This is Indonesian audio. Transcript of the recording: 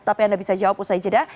tapi anda bisa jawab usai jeda